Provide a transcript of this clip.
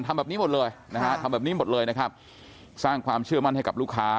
ทำแบบนี้หมดเลยนะครับสร้างความเชื่อมั่นให้กับลูกค้า